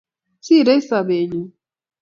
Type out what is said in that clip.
Sirei sobenyu